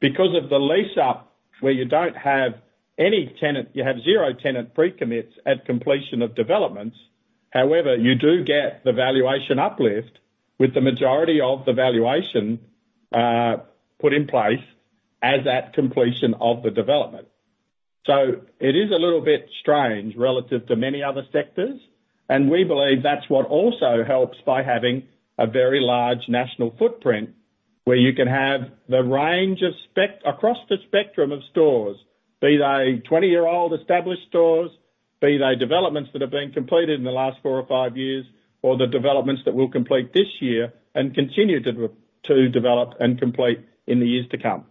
Because of the lease-up, where you don't have any tenant, you have zero tenant pre-commits at completion of developments. However, you do get the valuation uplift, with the majority of the valuation put in place as at completion of the development. It is a little bit strange relative to many other sectors, and we believe that's what also helps by having a very large national footprint, where you can have the range of across the spectrum of stores, be they 20-year-old established stores, be they developments that have been completed in the last four or five years, or the developments that we'll complete this year and continue to develop and complete in the years to come.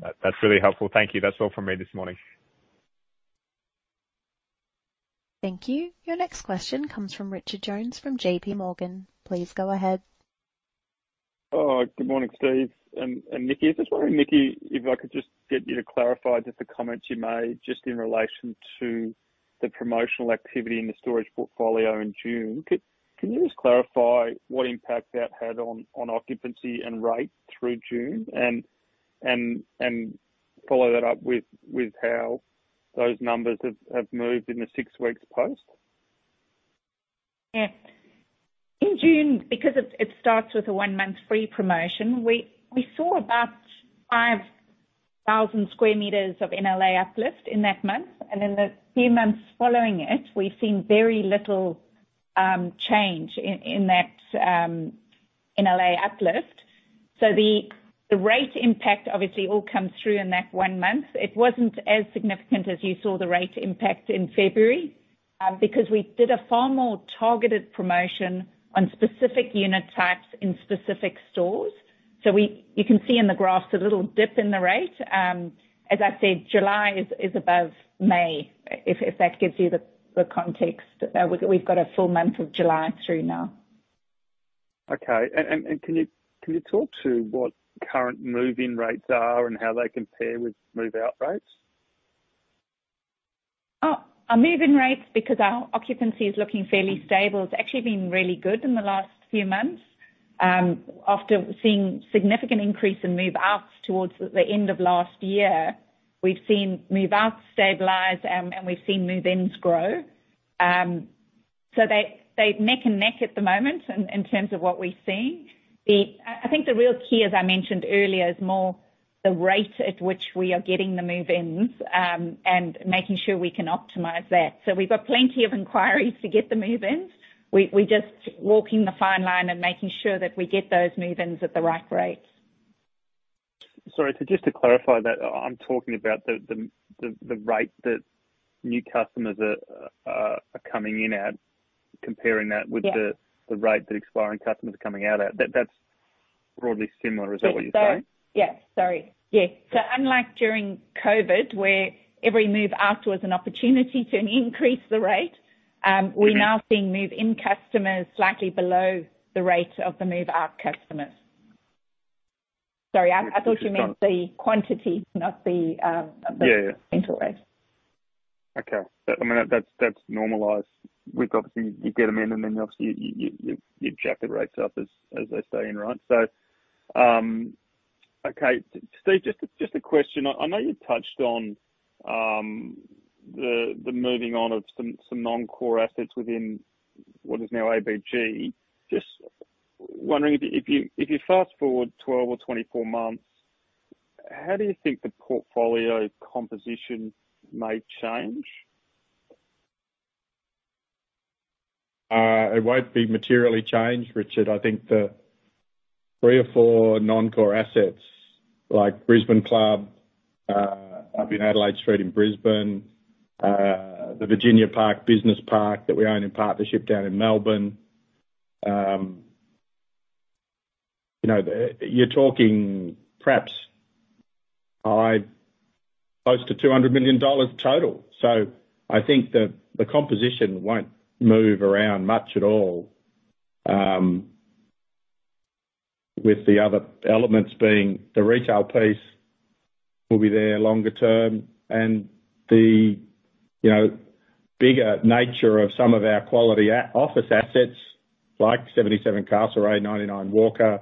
That's really helpful. Thank you. That's all from me this morning. Thank you. Your next question comes from Richard Jones, from JPMorgan. Please go ahead. Good morning, Steve and Nikki. I was just wondering, Nikki, if I could just get you to clarify just the comments you made just in relation to the promotional activity in the storage portfolio in June. Can you just clarify what impact that had on occupancy and rate through June? Follow that up with how those numbers have moved in the six weeks post. Yeah. In June, because it starts with a one-month free promotion, we saw about 5,000 square meters of NLA uplift in that month, and in the few months following it, we've seen very little change in that NLA uplift. The rate impact obviously all comes through in that 1 month. It wasn't as significant as you saw the rate impact in February because we did a far more targeted promotion on specific unit types in specific stores. You can see in the graphs a little dip in the rate. As I said, July is above May. If that gives you the context, we've got a full month of July through now. Okay. Can you talk to what current move-in rates are and how they compare with move-out rates? Oh, our move-in rates, because our occupancy is looking fairly stable, it's actually been really good in the last few months. After seeing significant increase in move-outs towards the end of last year, we've seen move-outs stabilize, and we've seen move-ins grow. They, they're neck and neck at the moment in, in terms of what we're seeing. I, I think the real key, as I mentioned earlier, is more the rate at which we are getting the move-ins, and making sure we can optimize that. We've got plenty of inquiries to get the move-ins. We, we're just walking the fine line and making sure that we get those move-ins at the right rates. Sorry, just to clarify that, I'm talking about the rate that new customers are coming in at, comparing that- Yeah. -with the, the rate that expiring customers are coming out at. That, that's broadly similar, is that what you're saying? Yes. Sorry. Yes. Unlike during COVID, where every move-out was an opportunity to increase the rate. Mm-hmm. we're now seeing move-in customers slightly below the rate of the move-out customers. Sorry, I, I thought you meant the quantity, not the- Yeah, yeah. entry rate. Okay. I mean, that's, that's normalized. We've obviously, you get them in, and then obviously, you, you, you, you jack the rates up, as, as they say in rent. Okay. Steve, just a, just a question. I know you touched on, the, the moving on of some, some non-core assets within what is now ABG. Just wondering, if you, if you, if you fast-forward 12 or 24 months. How do you think the portfolio composition may change? it won't be materially changed, Richard. I think the three or four non-core assets like Brisbane Club, up in Adelaide Street in Brisbane, the Virginia Park Business Park that we own in partnership down in Melbourne. you know, you're talking perhaps, high, close to 200 million dollars total. I think the, the composition won't move around much at all, with the other elements being the retail piece will be there longer term, and the, you know, bigger nature of some of our quality office assets, like 77 Castlereagh, 99 Walker,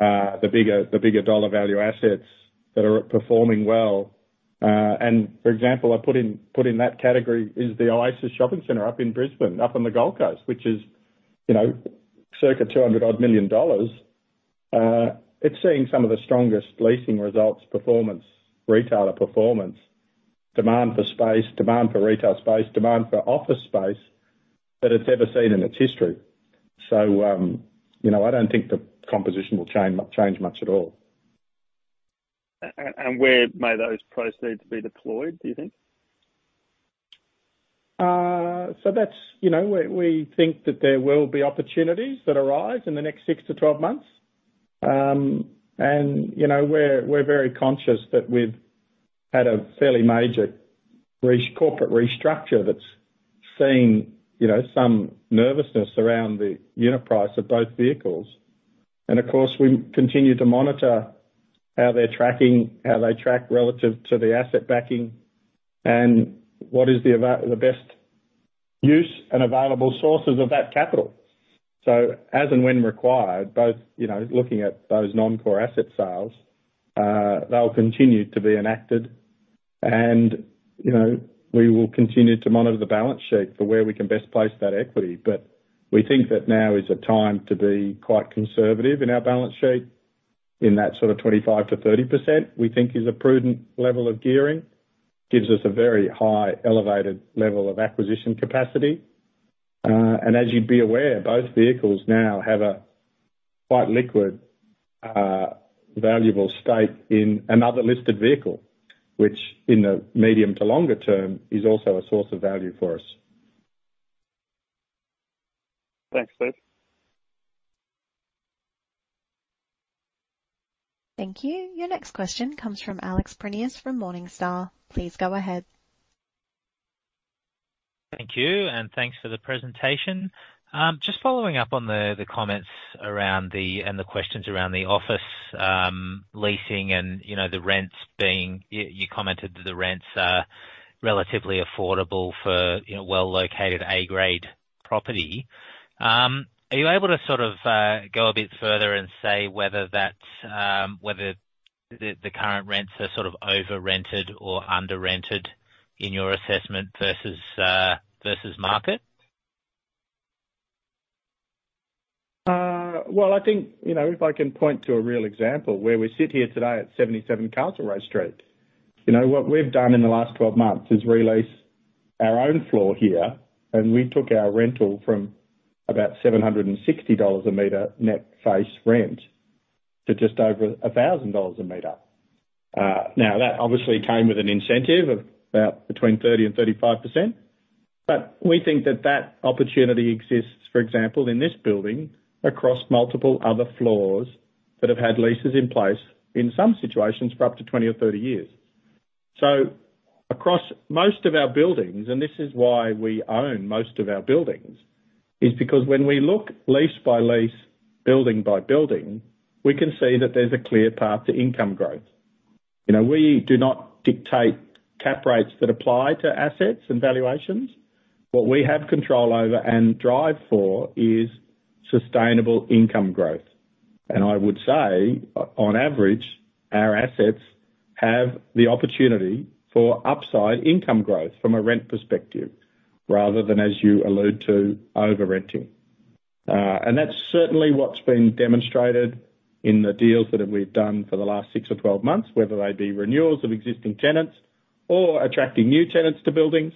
the bigger, the bigger dollar value assets that are performing well. For example, I put in, put in that category is the Oasis Shopping Centre up in Brisbane, up on the Gold Coast, which is, you know, circa 200 million dollars odd. It's seeing some of the strongest leasing results, performance, retailer performance, demand for space, demand for retail space, demand for office space that it's ever seen in its history. You know, I don't think the composition will change much at all. where may those proceeds be deployed, do you think? So that's, you know, we, we think that there will be opportunities that arise in the next six to 12 months. You know, we're, we're very conscious that we've had a fairly major corporate restructure that's seen, you know, some nervousness around the unit price of both vehicles. Of course, we continue to monitor how they're tracking, how they track relative to the asset backing, and what is the the best use and available sources of that capital. As and when required, both, you know, looking at those non-core asset sales, they'll continue to be enacted. You know, we will continue to monitor the balance sheet for where we can best place that equity. We think that now is a time to be quite conservative in our balance sheet, in that sort of 25%-30%, we think is a prudent level of gearing, gives us a very high, elevated level of acquisition capacity. As you'd be aware, both vehicles now have a quite liquid, valuable stake in another listed vehicle, which in the medium to longer term, is also a source of value for us. Thanks, Steve. Thank you. Your next question comes from Alex Prineas from Morningstar. Please go ahead. Thank you, and thanks for the presentation. Just following up on the, the comments around the, and the questions around the office, leasing and, you know, the rents being. You commented that the rents are relatively affordable for, you know, well-located A-grade property. Are you able to sort of, go a bit further and say whether that, whether the, the current rents are sort of over-rented or under-rented in your assessment versus, versus market? Well, I think, you know, if I can point to a real example, where we sit here today at 77 Castlereagh Street, you know, what we've done in the last 12 months is re-lease our own floor here, and we took our rental from about 760 dollars a meter net face rent to just over 1,000 dollars a meter. Now, that obviously came with an incentive of about between 30% and 35%, but we think that that opportunity exists, for example, in this building, across multiple other floors that have had leases in place, in some situations for up to 20 or 30 years. Across most of our buildings, and this is why we own most of our buildings, is because when we look lease by lease, building by building, we can see that there's a clear path to income growth. You know, we do not dictate cap rates that apply to assets and valuations. What we have control over and drive for is sustainable income growth. I would say, on average, our assets have the opportunity for upside income growth from a rent perspective, rather than, as you allude to, over-renting. That's certainly what's been demonstrated in the deals that we've done for the last six or 12 months, whether they be renewals of existing tenants or attracting new tenants to buildings.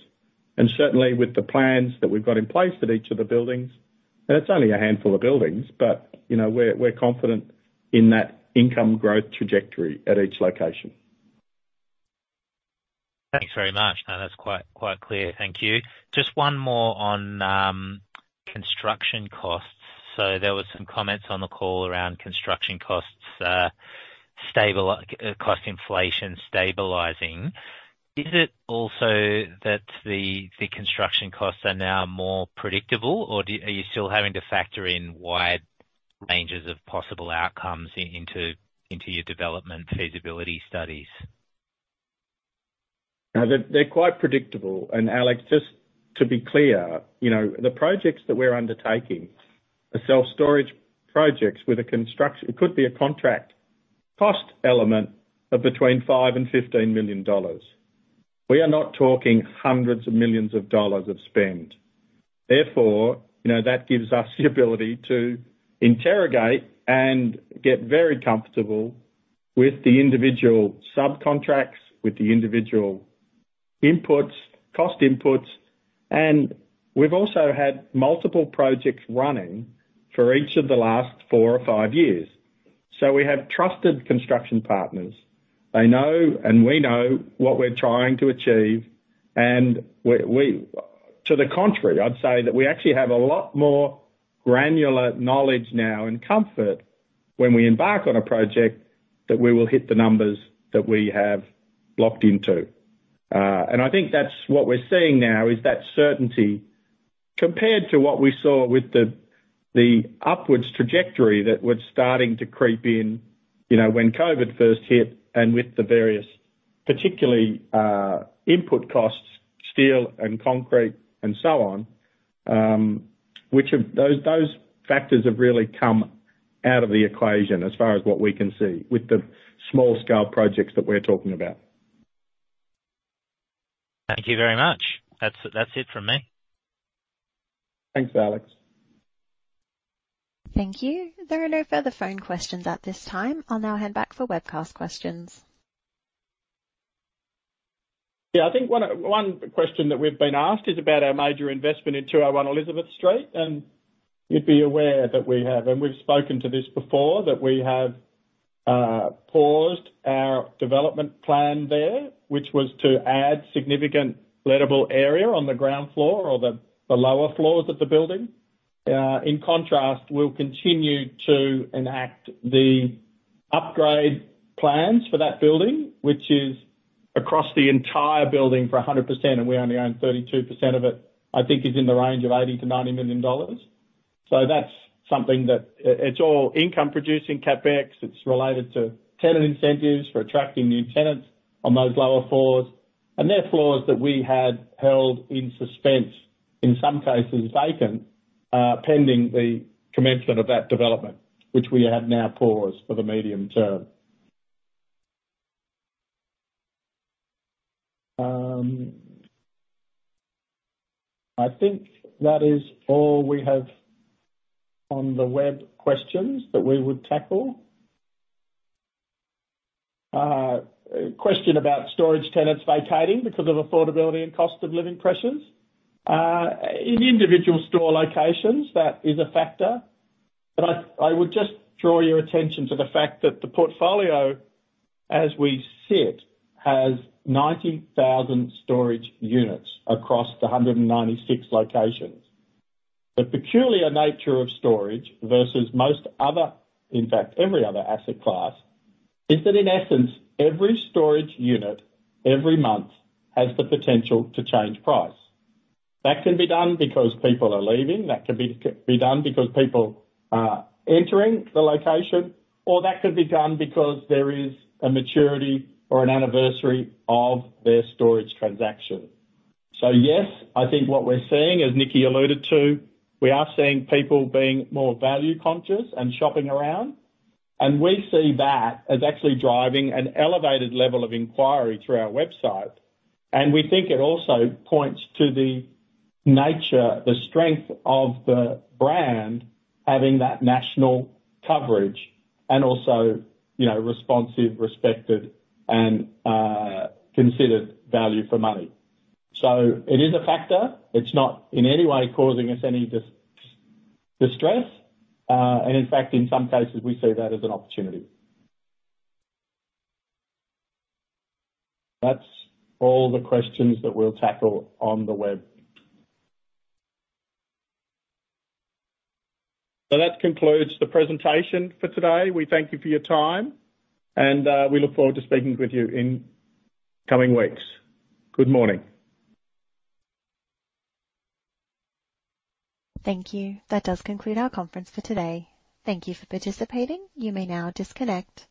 Certainly with the plans that we've got in place at each of the buildings, and it's only a handful of buildings, but, you know, we're confident in that income growth trajectory at each location. Thanks very much. No, that's quite, quite clear. Thank you. Just one more on construction costs. There were some comments on the call around construction costs, cost inflation stabilizing. Is it also that the, the construction costs are now more predictable, or are you still having to factor in wide ranges of possible outcomes into, into your development feasibility studies? No, they're, they're quite predictable. Alex, just to be clear, you know, the projects that we're undertaking, the self-storage projects with a construction, it could be a contract cost element of between 5 million and 15 million dollars. We are not talking hundreds of millions of AUD of spend. Therefore, you know, that gives us the ability to interrogate and get very comfortable with the individual subcontracts, with the individual inputs, cost inputs. We've also had multiple projects running for each of the last four or five years. We have trusted construction partners. They know, and we know what we're trying to achieve. To the contrary, I'd say that we actually have a lot more granular knowledge now and comfort when we embark on a project, that we will hit the numbers that we have locked into. I think that's what we're seeing now, is that certainty compared to what we saw with the, the upwards trajectory that was starting to creep in, you know, when COVID first hit and with the various, particularly, input costs, steel and concrete and so on, which of those, those factors have really come out of the equation as far as what we can see with the small-scale projects that we're talking about. Thank you very much. That's, that's it from me. Thanks, Alex. Thank you. There are no further phone questions at this time. I'll now head back for webcast questions. Yeah, I think one, one question that we've been asked is about our major investment in 201 Elizabeth Street. You'd be aware that we have, and we've spoken to this before, that we have paused our development plan there, which was to add significant lettable area on the ground floor or the lower floors of the building. In contrast, we'll continue to enact the upgrade plans for that building, which is across the entire building for 100%, and we only own 32% of it. I think it's in the range of 80 million-90 million dollars. So that's something that it's all income producing CapEx. It's related to tenant incentives for attracting new tenants on those lower floors. They're floors that we had held in suspense, in some cases vacant, pending the commencement of that development, which we have now paused for the medium term. I think that is all we have on the web questions that we would tackle. A question about storage tenants vacating because of affordability and cost of living pressures. In individual store locations, that is a factor, but I, I would just draw your attention to the fact that the portfolio, as we sit, has 90,000 storage units across the 196 locations. The peculiar nature of storage versus most other, in fact, every other asset class, is that, in essence, every storage unit, every month has the potential to change price. That can be done because people are leaving, that can be done because people are entering the location, or that could be done because there is a maturity or an anniversary of their storage transaction. Yes, I think what we're seeing, as Nikki alluded to, we are seeing people being more value conscious and shopping around, and we see that as actually driving an elevated level of inquiry through our website. We think it also points to the nature, the strength of the brand, having that national coverage and also, you know, responsive, respected and considered value for money. It is a factor. It's not in any way causing us any distress. In fact, in some cases, we see that as an opportunity. That's all the questions that we'll tackle on the web. That concludes the presentation for today. We thank you for your time, and, we look forward to speaking with you in coming weeks. Good morning. Thank you. That does conclude our conference for today. Thank you for participating. You may now disconnect.